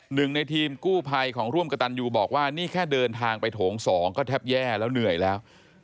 หนึ่งในทีมกู้ภัยของร่วมกระตันยูบอกว่านี่แค่เดินทางไปโถง๒ก็แทบแย่แล้วเหนื่อยแล้ว